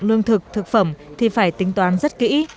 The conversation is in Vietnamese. lương thực thực phẩm thì phải tính toán rất kỹ